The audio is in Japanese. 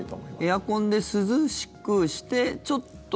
エアコンで涼しくしてちょっと。